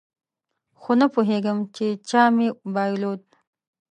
خو نپوهېږم په چا مې بایلود